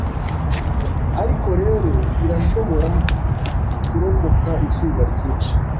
Ariko rero irashobora kurokoka 'izuba ryinshi